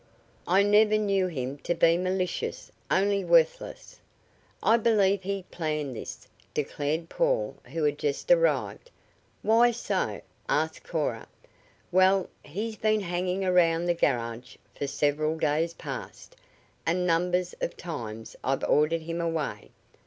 "I never knew him to be malicious only worthless." "I believe he planned this," declared Paul, who had just arrived. "Why so?" asked Cora. "Well, he's been hanging around the garage for several days past, and numbers of times I've ordered him away.